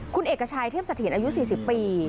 คุณเอกชัยเทพเสถียรอายุ๔๐ปี